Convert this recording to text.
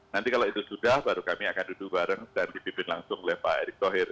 nanti kalau itu sudah baru kami akan duduk bareng dan dipimpin langsung oleh pak erick thohir